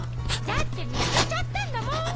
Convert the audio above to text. だってみつけちゃったんだもん。